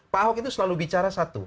pak ahok itu selalu bicara satu